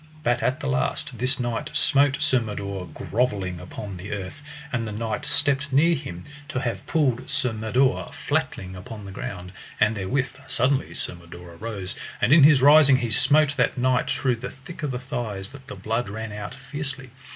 But at the last this knight smote Sir Mador grovelling upon the earth, and the knight stepped near him to have pulled Sir Mador flatling upon the ground; and therewith suddenly Sir Mador arose, and in his rising he smote that knight through the thick of the thighs that the blood ran out fiercely.